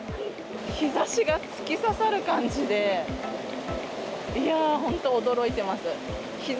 日ざしが突き刺さる感じで、いやー、本当、驚いてます。